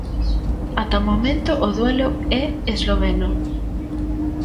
Ata o momento o duelo é esloveno.